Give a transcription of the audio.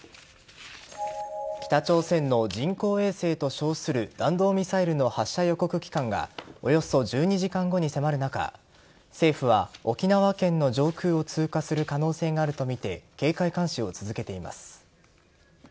北朝鮮の人工衛星と称する弾道ミサイルの発射予告期間がおよそ１２時間後に迫る中政府は沖縄県の上空を通過する可能性があるとみて警戒監視を続けています。